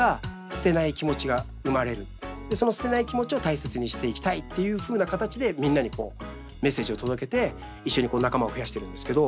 その捨てない気持ちを大切にしていきたいっていうふうな形でみんなにこうメッセージを届けて一緒に仲間を増やしてるんですけど。